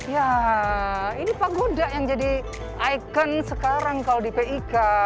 ya ini paguda yang jadi ikon sekarang kalau di pik